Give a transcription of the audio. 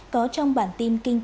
có trong bản tin kinh tế phương nam